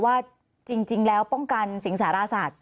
ว่าจริงแล้วป้องกันสิงสารสัตว